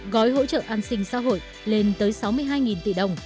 gói hỗ trợ an sinh xã hội lên tới sáu mươi hai tỷ đồng